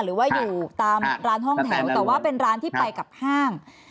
หรือว่าอยู่ตามร้านห้องแถวแต่ว่าเป็นร้านที่ไปกับห้าง